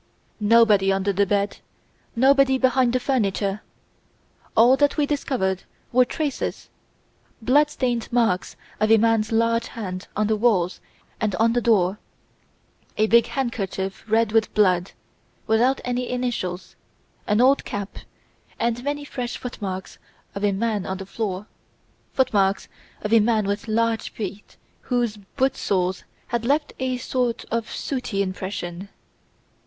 Nobody under the bed, nobody behind the furniture! All that we discovered were traces, blood stained marks of a man's large hand on the walls and on the door; a big handkerchief red with blood, without any initials, an old cap, and many fresh footmarks of a man on the floor, footmarks of a man with large feet whose boot soles had left a sort of sooty impression.